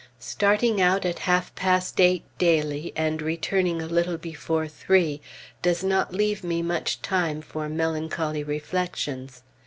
Starting out at half past eight daily, and returning a little before three, does not leave me much time for melancholy reflections.